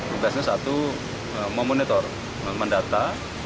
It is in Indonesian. tugasnya satu memonitor mendata